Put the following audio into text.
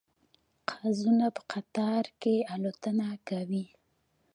قازونه په قطار کې الوتنه کوي